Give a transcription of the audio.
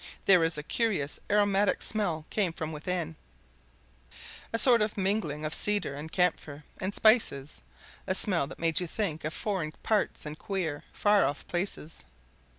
There was a curious aromatic smell came from within, a sort of mingling of cedar and camphor and spices a smell that made you think of foreign parts and queer, far off places.